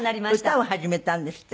歌を始めたんですって？